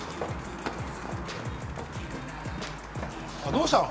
どうしたの？